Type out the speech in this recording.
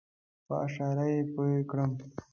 په اشاره یې پوی کړم.